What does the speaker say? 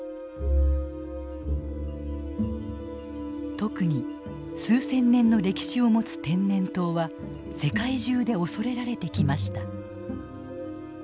特に数千年の歴史を持つ天然痘は世界中で恐れられてきました。